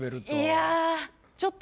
いやちょっと。